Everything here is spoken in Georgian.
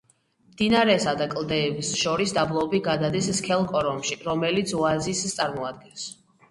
მდინარესა და კლდეებს შორის დაბლობი გადადის სქელ კორომში, რომელიც ოაზისს წარმოადგენს.